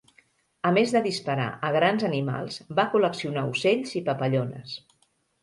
A més de disparar a grans animals, va col·leccionar ocells i papallones.